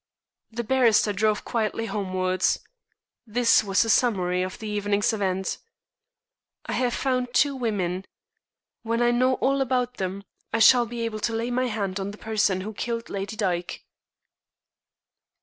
The barrister drove quietly homewards. This was his summary of the evening's events: "I have found two women. When I know all about them I shall be able to lay my hand on the person who killed Lady Dyke."